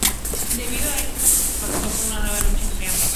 Debido a esto, se pacto una nueva lucha entre ambos.